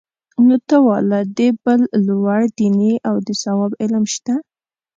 نو ته وا له دې بل لوړ دیني او د ثواب علم شته؟